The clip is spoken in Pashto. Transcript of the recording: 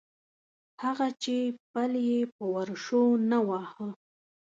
هغه چې پل یې په ورشو نه واهه.